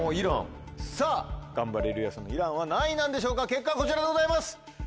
さぁガンバレルーヤさんのイランは何位なんでしょうか。結果こちらでございます。